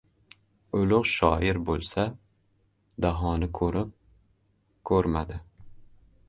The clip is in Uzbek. Ulug‘ shoir bo‘lsa, Dahoni ko‘rib, ko‘rmadi.